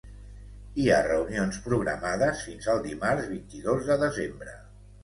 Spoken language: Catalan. Hi ha reunions programades fins al dimarts vint-i-dos de desembre.